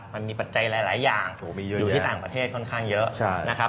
ปัจจัยหลายอย่างอยู่ที่ต่างประเทศค่อนข้างเยอะนะครับ